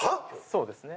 そうですね。